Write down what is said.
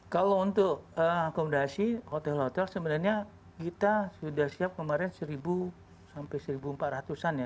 kalau untuk akomodasi hotel hotel sebenarnya kita sudah siap kemarin seribu sampai seribu empat ratus an ya